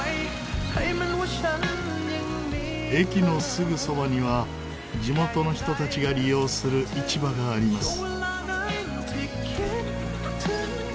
駅のすぐそばには地元の人たちが利用する市場があります。